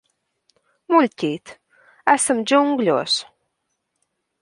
Muļķīt, esam džungļos.